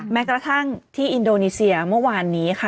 แม้กระทั่งที่อินโดนีเซียเมื่อวานนี้ค่ะ